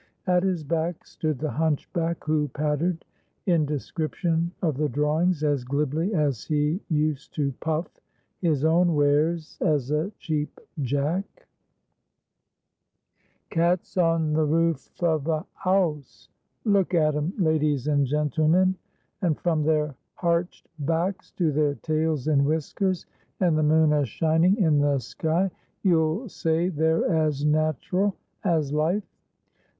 At his back stood the hunchback, who "pattered" in description of the drawings as glibly as he used to "puff" his own wares as a Cheap Jack. [Picture: The crowd was gathered ...] "Cats on the roof of a 'ouse. Look at 'em, ladies and gentlemen; and from their harched backs to their tails and whiskers, and the moon a shining in the sky, you'll say they're as natteral as life.